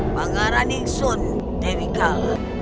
bangaraning sun tewikala